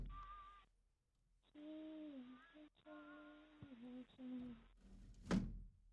一九八五年在中国共产党全国代表大会上被增选为中央顾问委员会委员。